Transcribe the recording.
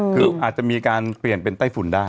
คืออาจจะมีการเปลี่ยนเป็นไต้ฝุ่นได้